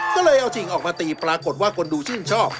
ก็เลยเอาจริงออกมาตีปรากฏว่าคนดูชื่นชอบ